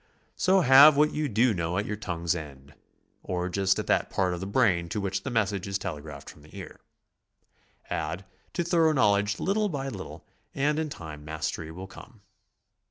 So have what you do know at your tongue's end, or just at that part of the brain to which the message is tele graphed from the ear. Add to thorough knowledge little by little, and in time mastery will come.